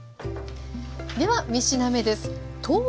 では３品目です。